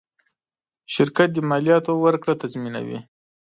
شرکت د مالیاتو ورکړه تضمینوي.